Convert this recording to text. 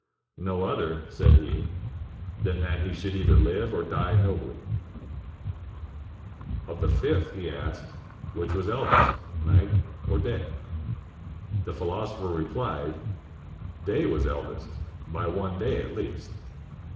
"Xo other," said he, "than that he should either Hve or die nobly." • Of the fifth he asked, "\Miich was eldest, night or day?" The philosopher repHed, "Day was eldest, by one day at least."